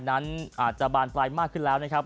นั้นอาจจะบานปลายมากขึ้นแล้วนะครับ